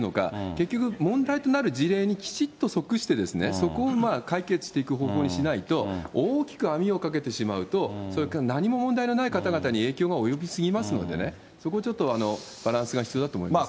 結局、問題となる事例にきちっと即して、そこを解決していく方向にしないと、大きく網をかけてしまうと、それから何も問題のない方々に影響が及びすぎますのでね、そこをちょっとバランスが必要だと思いますね。